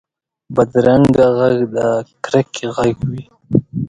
بدرنګه غږ د کرکې غږ وي